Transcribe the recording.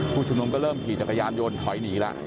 ผู้ชมนุมก็เริ่มขี่จักรยานโยนขอยหนีละ